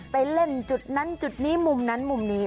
ไปเล่นจุดนั้นจุดนี้มุมนั้นมุมนี้